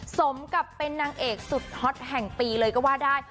สมกับเป็นนางเอกสุดฮอตแห่งปีเลยก็ว่าได้